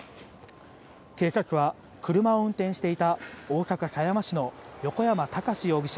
警察は、車を運転していた大阪狭山市の横山孝容疑者